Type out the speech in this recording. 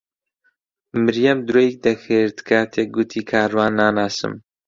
مریەم درۆی دەکرد کاتێک گوتی کاروان ناناسم.